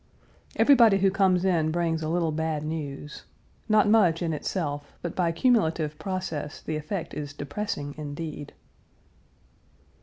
Everybody who comes in brings a little bad news not much, in itself, but by cumulative process the effect is depressing, indeed.